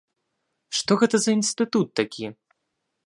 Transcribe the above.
Што гэта за інстытут такі?